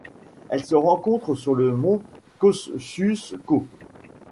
Elle se rencontre sur le mont Kosciuszko.